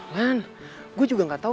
lan gua juga gak tau